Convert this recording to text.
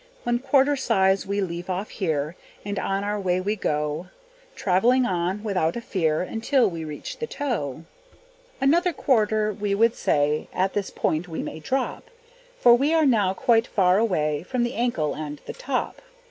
One quarter size we leave off here, As on our way we go, Travelling on, without a fear, Until we reach the toe. Another quarter we would say, At this point we may drop, For we are now quite far away From the ankle and the top.